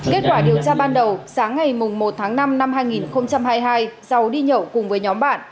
kết quả điều tra ban đầu sáng ngày một tháng năm năm hai nghìn hai mươi hai giàu đi nhậu cùng với nhóm bạn